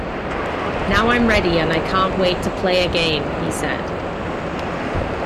Now I'm ready and I can't wait to play again, he said.